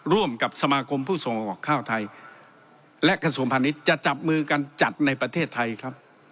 ร่วมกับสมาคมผู้ส่งออกข้าวไทยและกระทรวงพาณิชย์จะจับมือกันจัดในประเทศไทยครับ